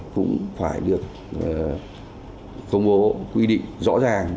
cũng phải được công bố quy định rõ ràng